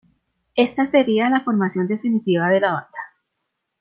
Esta sería la formación definitiva de la banda.